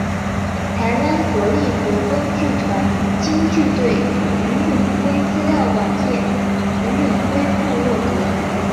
台湾国立国光剧团京剧队吕永辉资料网页吕永辉部落格